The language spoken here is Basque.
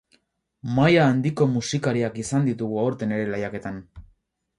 Maila handiko musikariak izan ditugu aurten ere lehiaketan.